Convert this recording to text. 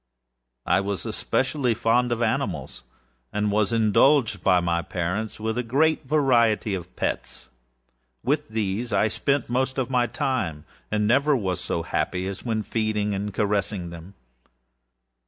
I was especially fond of animals, and was indulged by my parents with a great variety of pets. With these I spent most of my time, and never was so happy as when feeding and caressing them.